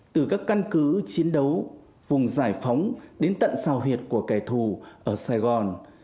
từ các căn cứ chiến đấu vùng giải phóng đến tận sào huyệt của kẻ thù ở sài gòn